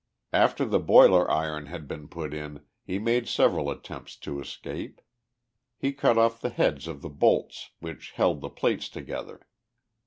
After the boiler iron had been put in he made several at tempts to escape. He cut off' the heads of the bolts , which held the plates together.